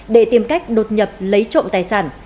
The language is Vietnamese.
để tìm cách đột nhập lấy trộm tài sản